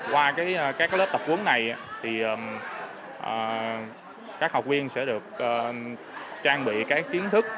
với các lớp tập huấn này thì các học viên sẽ được trang bị các kiến thức